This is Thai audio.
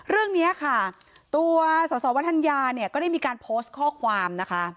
เรื่องนี้ตัวสวทนเนี่ยก็ได้มีการโพสต์ข้อความ